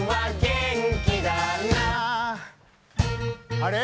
あれ？